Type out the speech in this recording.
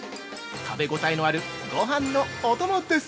食べ応えのあるごはんのお供です。